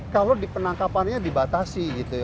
kalau di penangkapannya dibatasi gitu ya